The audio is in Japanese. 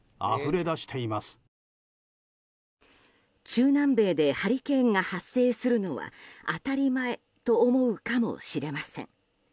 中南米でハリケーンが発生するのは当たり前と思うかもしれません。